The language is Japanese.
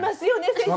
先生。